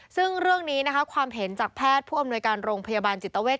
ซึ่งเรื่องนี้นะคะความเห็นจากแพทย์ผู้อำนวยการโรงพยาบาลจิตเวท